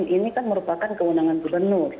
ini kan merupakan kewenangan gubernur